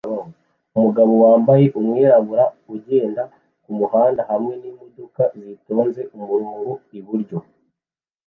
Umugabo wambaye umwirabura ugenda kumuhanda hamwe nimodoka zitonze umurongo iburyo